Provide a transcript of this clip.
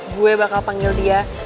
gue bakal panggil dia